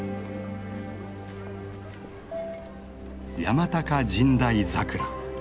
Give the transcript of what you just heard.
山高神代桜。